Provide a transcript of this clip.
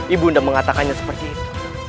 ibu udah mengatakannya seperti itu